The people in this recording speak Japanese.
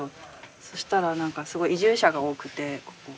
そしたら何かすごい移住者が多くてここ。